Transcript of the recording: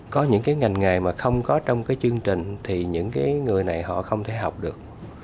có những cái ngành nghề mà không có trong cái chương trình thì những cái người này họ không thể học được